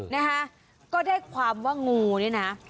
นะคะก็ได้ความว่างูนี่นะ